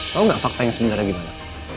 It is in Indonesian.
kamu gak tahu fakta yang sebenarnya gimana